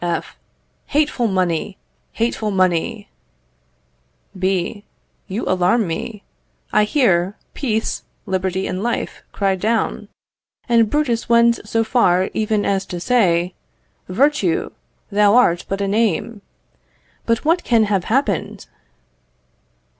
F. Hateful money! hateful money! B. You alarm me. I hear peace, liberty, and life cried down, and Brutus went so far even as to say, "Virtue! thou art but a name!" But what can have happened?